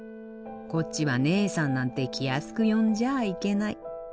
こっちはねえさんなんて気安く呼んじゃあいけない。